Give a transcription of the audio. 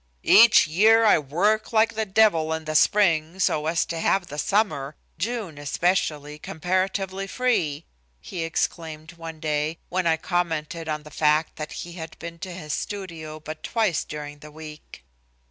"Each year I work like the devil in the spring so as to have the summer, June especially, comparatively free," he exclaimed one day when I commented on the fact that he had been to his studio but twice during the week.